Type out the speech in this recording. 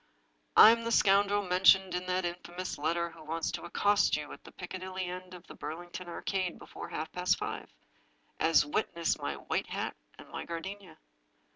" I am the scoundrel mentioned in that infamous letter who wants to accost you at the Piccadilly end of the Bur lington Arcade before half past five — as witness my white hat and my gardenia."